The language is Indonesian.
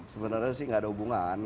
sebenarnya sih nggak ada hubungan